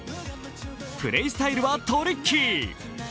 プレースタイルはトリッキー。